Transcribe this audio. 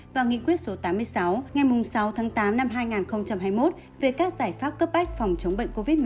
và nghị quyết số tám mươi sáu ngày sáu tháng tám năm hai nghìn hai mươi một về các giải pháp cấp bách phòng chống bệnh covid một mươi chín